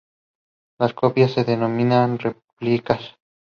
Mehta also introduced Gandhi to the writings of Tolstoy.